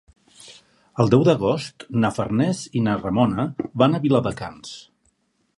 El deu d'agost na Farners i na Ramona van a Viladecans.